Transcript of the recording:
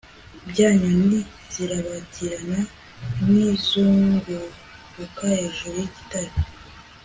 Bya nyoni zirabagirana nkizunguruka hejuru yigitare